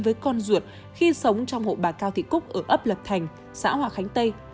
với con ruột khi sống trong hộ bà cao thị cúc ở ấp lập thành xã hòa khánh tây